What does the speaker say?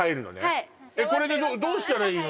はいこれでどうしたらいいの？